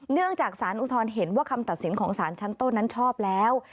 เนื่องจากสารอุทธรณ์เห็นว่าคำตัดสินของสารชั้นต้นนั้นชอบแล้ว